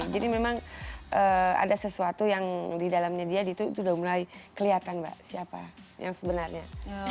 jadi memang ada sesuatu yang didalamnya dia itu sudah mulai kelihatan siapa yang sebenarnya